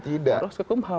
harus ke kum ham